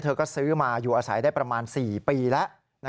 เธอก็ซื้อมาอยู่อาศัยได้ประมาณ๔ปีแล้ว